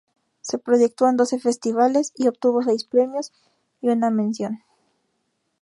Se proyectó en doce festivales y obtuvo seis premios y una mención.